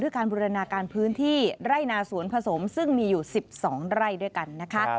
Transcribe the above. การบูรณาการพื้นที่ไร่นาสวนผสมซึ่งมีอยู่๑๒ไร่ด้วยกันนะคะ